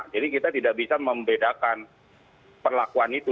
jadi kita tidak bisa membedakan perlakuan itu